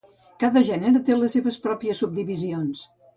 Cada gènere té les seves pròpies subdivisions.